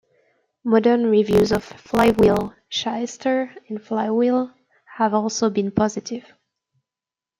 Modern reviews of "Flywheel, Shyster, and Flywheel" have also been positive.